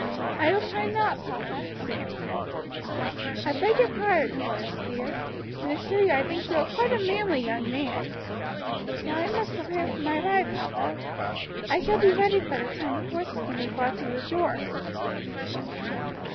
"I will try not, papa," she answered. "I beg your pardon, Horace dear, and assure you I think you are quite a manly young man. Now I must prepare for my ride, papa. I shall be ready by the time the horses can be brought to the door."